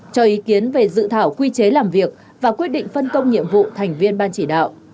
cho ý kiến về dự thảo quy chế làm việc và quyết định phân công nhiệm vụ thành viên ban chỉ đạo